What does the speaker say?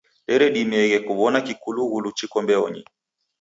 Deredimieghe kuw'ona kikulughulu chiko mbeonyi.